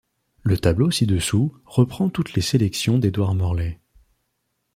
Le tableau ci-dessous reprend toutes les sélections d'Édouard Morlet.